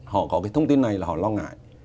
họ có thông tin này là họ lo ngại